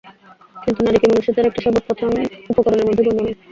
কিন্তু নারী কি মনুষ্যত্বের একটা সর্বপ্রধান উপকরণের মধ্যে গণ্য নয়?